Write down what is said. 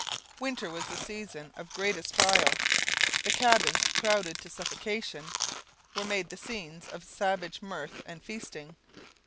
Winter was the season of greatest trial. The cabins, crowded to suffocation, were made the scenes of savage mirth and feasting.